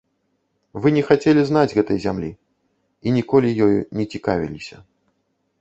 Вы не хацелі знаць гэтай зямлі і ніколі ёю не цікавіліся.